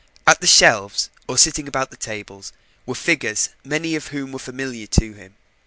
At the shelves, or sitting about at the tables, were figures, many of whom were familiar to him.